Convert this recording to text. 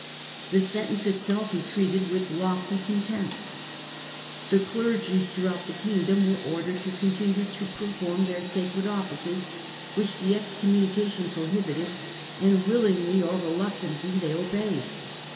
The sentence itself he treated with lofty contempt. The clergy throughout the Kingdom were ordered to continue to perform their sacred offices, which the excom munication prohibited, and, willingly or reluctantly, they obeyed.